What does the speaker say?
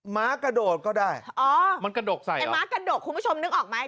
ม้ากระโดดก็ได้อ๋อมันกระดกใส่ไอ้ม้ากระดกคุณผู้ชมนึกออกไหม